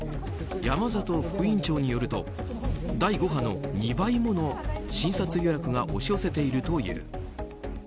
山里副院長によると第５波の２倍もの診察予約が押し寄せているという。